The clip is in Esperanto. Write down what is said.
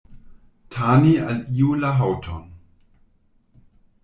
Tani al iu la haŭton.